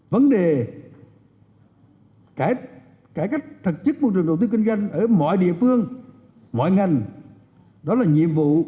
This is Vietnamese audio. vấn đề cải cách thực chất môi trường đầu tư kinh doanh ở mọi địa phương mọi ngành đó là nhiệm vụ